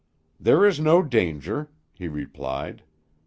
"There is no danger," he replied.